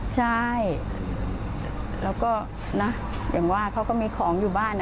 ใช่แล้วก็นะอย่างว่าเขาก็มีของอยู่บ้าน